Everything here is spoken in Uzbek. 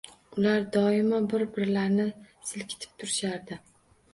Ular doimo bir -birlarini silkitib turishardi